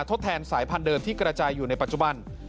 ทดแทนสายพันธุเดิมที่กระจายอยู่ในปัจจุบัน